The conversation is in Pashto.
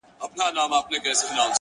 • له کلونو پوروړی د سرکار وو,